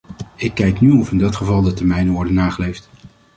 Ik kijk nu of in dat geval de termijnen worden nageleefd.